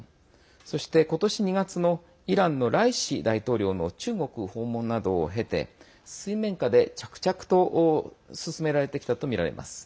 そして、今年２月のイランのライシ大統領の中国訪問などを経て水面下で着々と進められてきたとみられます。